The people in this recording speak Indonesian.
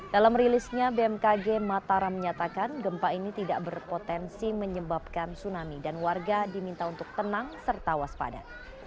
dalam rilisnya bmkg matara menyatakan gempa ini tidak berpotensi menyebabkan tsunami dan warga diminta untuk tenang serta waspada